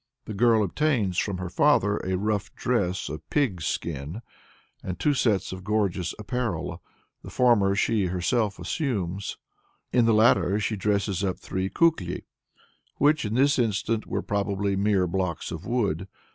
The girl obtains from her father a rough dress of pig's skin, and two sets of gorgeous apparel; the former she herself assumes, in the latter she dresses up three Kuklui, which in this instance were probably mere blocks of wood.